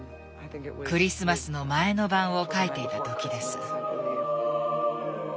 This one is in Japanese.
「クリスマスのまえのばん」を描いていた時です。